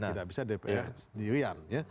tidak bisa dpr sendirian ya